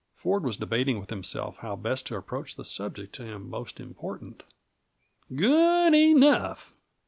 Ford was debating with himself how best to approach the subject to him most important. "Good ee nough!